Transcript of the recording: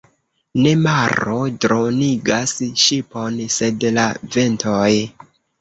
Ne maro dronigas ŝipon, sed la ventoj.